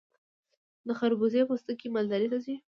د خربوزې پوستکي مالداري ته ځي.